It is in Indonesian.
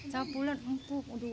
sangat pulen empuk